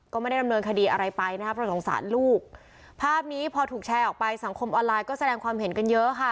ก็ไม่ได้ดำเนินคดีอะไรไปนะครับเพราะสงสารลูกภาพนี้พอถูกแชร์ออกไปสังคมออนไลน์ก็แสดงความเห็นกันเยอะค่ะ